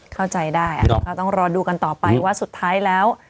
เข้าใจได้ก็ต้องรอดูกันต่อไปว่าสุดท้ายแล้ว